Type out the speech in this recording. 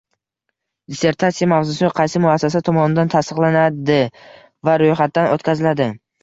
Dissertatsiya mavzui qaysi muassasa tomonidan tasdiqlanadi va ro‘yxatdan o‘tkaziladi?